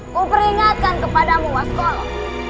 kuperingatkan kepadamu waskolo